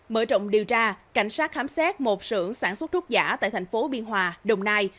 mở rộng điều tra cảnh sát khám xét một sưởng sản xuất thuốc giả tại thành phố biên hòa đồng nai